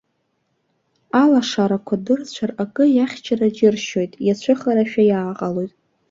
Алашарқәа дырцәар, акы иахьчара џьыршьоит, иацәыхарашәа иааҟалоит.